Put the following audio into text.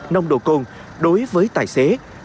nông độ cồn đối với tài xế